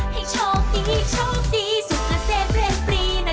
ให้โชคดีโชคดีสุขเกษตรเรียนปรีนะ